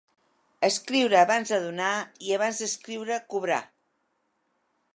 Escriure abans de donar i abans d'escriure, cobrar.